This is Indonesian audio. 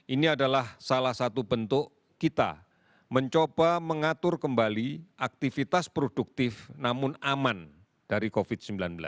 ini adalah salah satu bentuk kita mencoba mengatur kembali aktivitas produktif namun aman dari covid sembilan belas